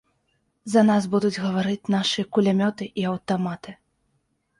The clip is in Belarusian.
За нас будуць гаварыць нашыя кулямёты і аўтаматы.